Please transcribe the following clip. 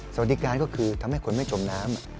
สวัสดีการก็คือทำให้คนไม่จมน้ำ